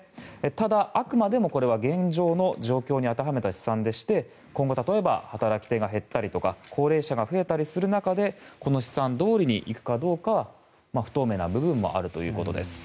ただ、あくまでもこれは現状の状況に当てはめた試算でして今後、例えば働き手が減ったりとか高齢者が増えたりする中でこの試算どおりに行くかは不透明な部分はあるということです。